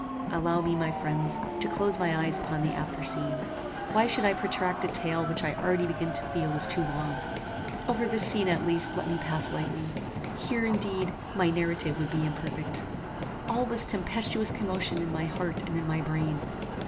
Allow me, my friends, to close my eyes upon the after scene. Why should I protract a tale which I already begin to feel is too long? Over this scene at least let me pass lightly. Here, indeed, my narrative would be imperfect. All was tempestuous commotion in my heart and in my brain.